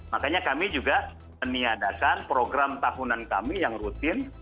makanya kami juga meniadakan program tahunan kami yang rutin